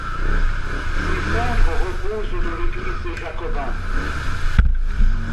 Ses cendres reposent dans l'église des jacobins.